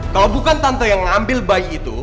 kalau bukan tante yang ngambil bayi itu